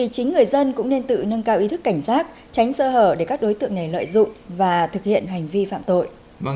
chính người dân cũng nên tự nâng cao ý thức cảnh giác tránh sơ hở để các đối tượng này lợi dụng và thực hiện hành vi phạm tội